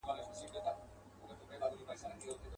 ډېر هوښیار وو د خپل کسب زورور وو.